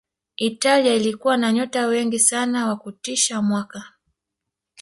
italia ilikuwa na nyota wengi sana wa kutisha mwaka